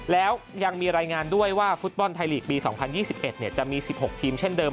แล้วยังมีรายงานด้วยว่าฟุตบอลไทยลีกปี๒๐๒๑จะมี๑๖ทีมเช่นเดิม